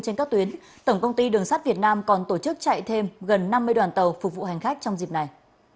trên các tuyến tổng công ty đường sắt việt nam còn tổ chức chạy thêm gần năm mươi đoàn tàu phục vụ hành khách trong dịp này